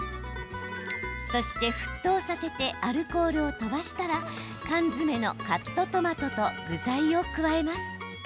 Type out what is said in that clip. そして、沸騰させてアルコールを飛ばしたらカットトマトと具材を加えます。